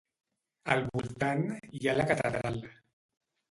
Al voltant hi ha la catedral.